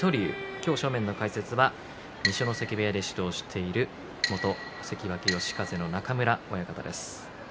今日、正面の解説は二所ノ関部屋で指導している元関脇嘉風の中村親方です。